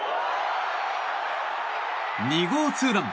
２号ツーラン！